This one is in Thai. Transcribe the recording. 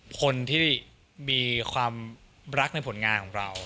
คนที่มีความรักในผลงานของเรา